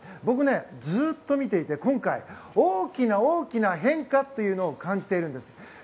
僕ね、ずっと見ていて今回大きな大きな変化というのを感じているんです。